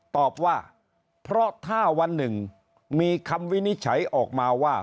ตอบว่าเพราะถ้าวันหนึ่งมีคำวินิจฉัยออกมาว่า